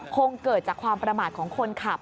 คงเกิดจากความประมาทของคนขับ